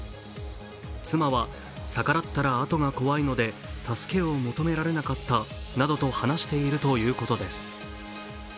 妻は、逆らったらあとが怖いので助けを求められなかったなどと話しているということです。